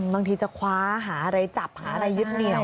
บางทีจะคว้าหาอะไรจับหาอะไรยึดเหนียว